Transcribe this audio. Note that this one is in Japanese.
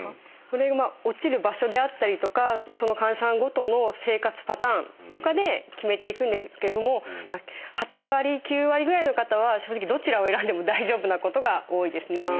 それは落ちる場所であったりとかその患者さんごとの生活パターンとかで決めていくんですけども８割９割ぐらいの方は正直どちらを選んでも大丈夫なことが多いですね。